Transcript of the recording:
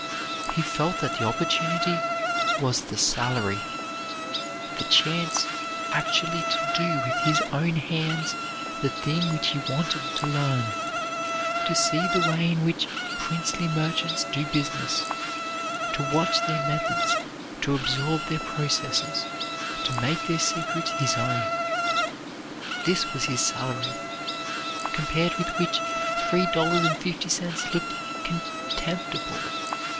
He felt that the opportunity was the salary. The chance actually to do with his own hands the thing which he wanted to learn; to see the way in which princely merchants do business; to watch their methods; to absorb their processes; to make their secrets his own, this was his salary, compared with which the three dollars and fifty cents looked contemptible.